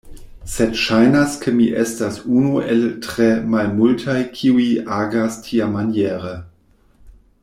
Sed saĵnas ke mi estas unu el tre malmultaj kiuj agas tiamaniere.